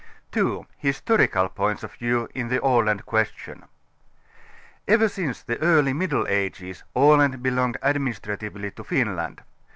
1.5S2 19 2) Historical Points of View in the Aland Question. Ever since the early Middle Ages Aland belonged administratively to Finland.